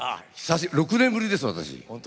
６年ぶりです、私。